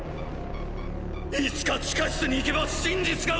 いつか地下室に行けば真実が分かる！